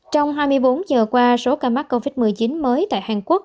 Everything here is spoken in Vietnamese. trong hai mươi bốn giờ qua số ca mắc covid một mươi chín mới tại hàn quốc